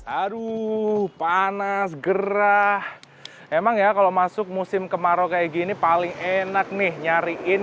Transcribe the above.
aduh panas gerah emang ya kalau masuk musim kemarau kayak gini paling enak nih nyariin